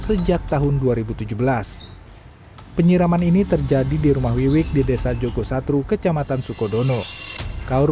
sejak tahun dua ribu tujuh belas penyiraman ini terjadi di rumah wiwik di desa jogosatru kecamatan sukodono kaur